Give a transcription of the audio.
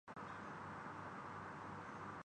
اب تک اس کا غیر منقطع تاریخی تسلسل سامنے آیا ہے۔